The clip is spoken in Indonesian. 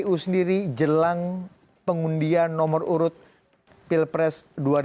kpu sendiri jelang pengundian nomor urut pilpres dua ribu dua puluh